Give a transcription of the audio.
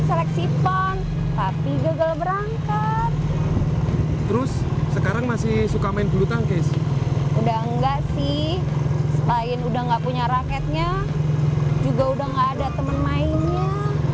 sampai jumpa di video selanjutnya